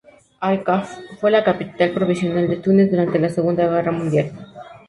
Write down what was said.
Al-Kāf fue la capital provisional de Túnez durante la Segunda Guerra Mundial.